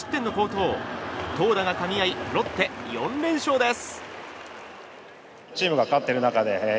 投打がかみ合いロッテ、４連勝です。